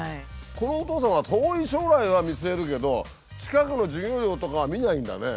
このお父さんは遠い将来は見据えるけど近くの授業料とかは見ないんだね。